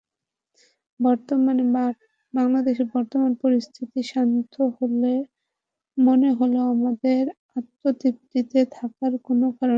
বাংলাদেশের বর্তমান পরিস্থিতি শান্ত মনে হলেও আমাদের আত্মতৃপ্তিতে থাকার কোনো কারণ নেই।